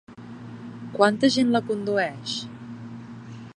Quanta gent la condueix?